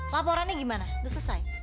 laporannya gimana udah selesai